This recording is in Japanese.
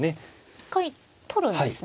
一回取るんですね。